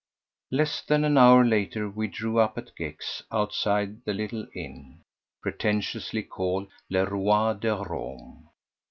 Less than an hour later we drew up at Gex outside the little inn, pretentiously called Le Roi de Rome.